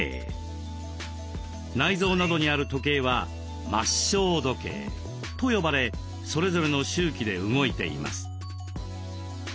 内臓などにある時計は「末梢時計」と呼ばれそれぞれの周期で動いています。